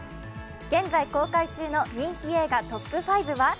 現在公開中の人気映画トップ５は？